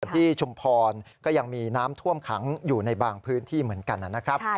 ที่ชุมพรก็ยังมีน้ำท่วมขังอยู่ในบางพื้นที่เหมือนกันนะครับ